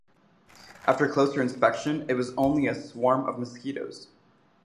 After closer inspection it was only a swarm of mosquitos.